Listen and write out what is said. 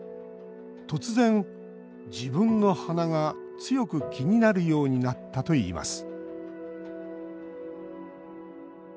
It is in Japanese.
突然、自分の鼻が強く気になるようになったといいます